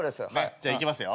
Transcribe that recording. じゃあいきますよ。